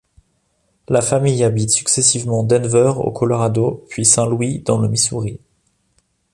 La famille habite successivement Denver au Colorado puis Saint Louis, dans le Missouri.